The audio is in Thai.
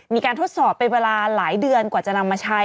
ทดสอบเป็นเวลาหลายเดือนกว่าจะนำมาใช้